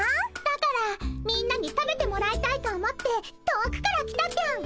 だからみんなに食べてもらいたいと思って遠くから来たぴょん。